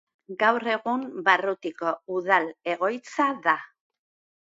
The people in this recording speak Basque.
Gaur egun barrutiko udal egoitza da.